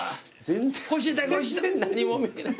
全然何も見えない。